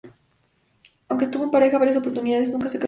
Aunque estuvo en pareja varias oportunidades, nunca se casó.